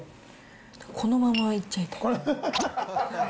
このままいっちゃいたい。